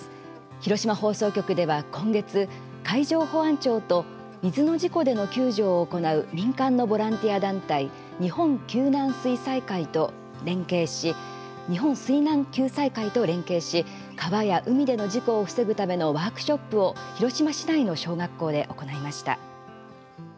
広島放送局では今月海上保安庁と水の事故での救助を行う民間のボランティア団体日本水難救済会と連携し川や海での事故を防ぐためのワークショップを広島市内の小学校で行いました。